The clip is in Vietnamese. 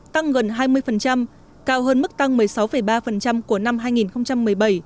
tăng gần hai mươi cao hơn mức tăng một mươi sáu ba của năm hai nghìn một mươi bảy